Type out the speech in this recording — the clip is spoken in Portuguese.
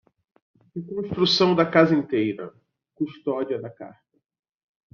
Reconstrução da casa inteira, custódia da carta